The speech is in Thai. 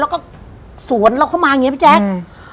แล้วก็สวนเราเข้ามาเฮ้ยพี่แจ๊ค